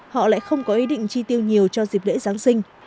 họ lại không có ý định chi tiêu nhiều cho dịp lễ giáng sinh